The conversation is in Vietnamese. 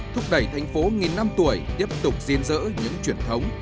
thúc đẩy thành phố nghìn năm tuổi tiếp tục diễn dỡ những truyền thống